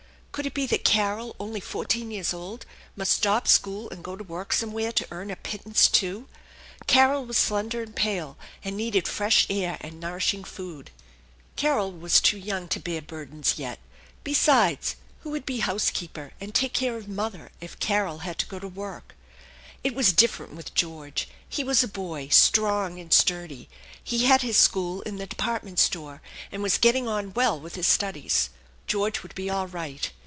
Could it be that Carol, only four teen years old, must stop school and go to work somewhere to earn a pittance also ? Carol was slender and pale, and needed fresh air and nourishing food. Carol was too young to bear burdens yet ; besides, who would be housekeeper and take care THE ENCHANTED BARN 7 of mother if Carol had to go to work ? It was different with George; he was a boy, strong and sturdy; he had his school in the department store, and was getting on well with his studies. George would be all right.